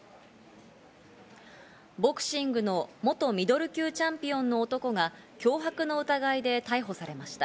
ボクシングの元ミドル級チャンピオンの男が脅迫の疑いで逮捕されました。